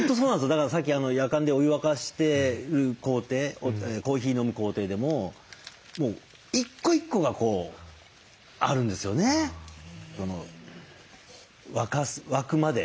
だからさっきやかんでお湯沸かしてる工程コーヒー飲む工程でももう一個一個がこうあるんですよね沸くまで。